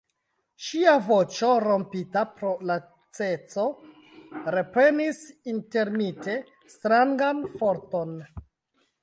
Ŝia voĉo, rompita pro laceco, reprenis intermite strangan forton.